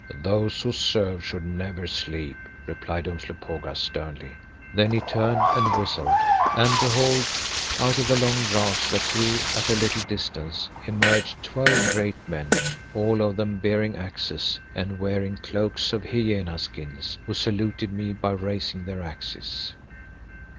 "Those who serve should never sleep," replied Umslopogaas sternly. Then he turned and whistled, and behold! out of the long grass that grew at a little distance, emerged twelve great men, all of them bearing axes and wearing cloaks of hyena skins, who saluted me by raising their axes.